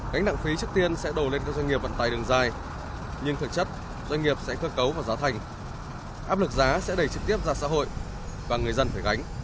gánh nặng phí trước tiên sẽ đổ lên các doanh nghiệp vận tài đường dài nhưng thực chất doanh nghiệp sẽ cơ cấu và giá thành áp lực giá sẽ đẩy trực tiếp ra xã hội và người dân phải gánh